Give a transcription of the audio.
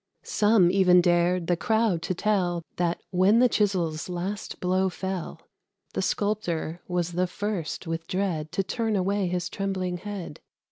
Some even dared the crowd to tell That, when the chisel's last blow fell, The Sculptor was the first with dread To turn away his trembling head.